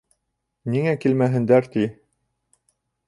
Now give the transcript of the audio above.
Ниңә килмәһендәр, ти.